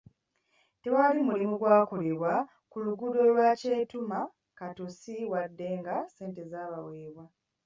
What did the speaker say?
Tewali mulimu gwakolebwa ku luguudo lwa Kyetuma-Katosi wadde nga ssente zaabaweebwa.